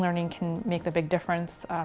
bisa membuat perbedaan besar